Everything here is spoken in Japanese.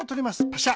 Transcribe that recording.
パシャ。